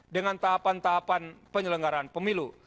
dengan tahapan tahapan penyelenggaraan pemilu